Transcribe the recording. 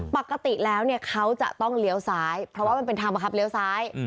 ปกติแล้วเนี่ยเขาจะต้องเลี้ยวซ้ายเพราะว่ามันเป็นทางบังคับเลี้ยวซ้าย